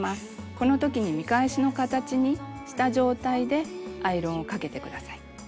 このときに見返しの形にした状態でアイロンをかけて下さい。